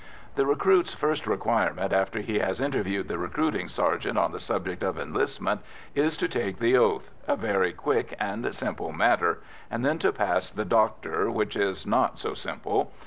The recruit's first requirements, after he has interviewed the recruiting sergeant on the subject of enlistment is to take the oath a very quick and simple matter and then to pass the doctor, which is not so simple.